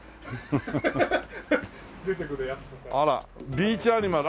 「ビーチアニマル」